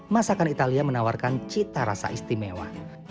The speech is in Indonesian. masakan italia menawarkan cita rasa istimewa